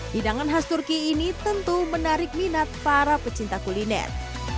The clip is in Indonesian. hidangan khas turki ini tentu menarik minat para pecinta kuliner